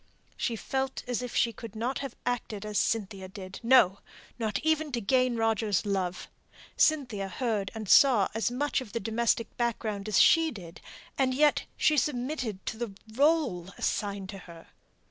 She felt as if she could not have acted as Cynthia did; no, not even to gain Roger's love. Cynthia heard and saw as much of the domestic background as she did, and yet she submitted to the rÖle assigned to her!